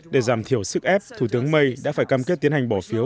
để giảm thiểu sức ép thủ tướng may đã phải cam kết tiến hành bỏ phiếu